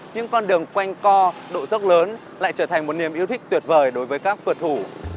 những con đường quanh co độ dốc lớn lại trở thành một niềm yêu thích tuyệt vời đối với các vượt thủ